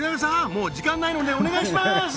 もう時間ないのでお願いします！